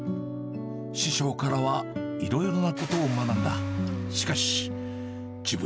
師匠からはいろいろなことを学んだ。